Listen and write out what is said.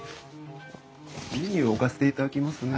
メニュー置かせていただきますね。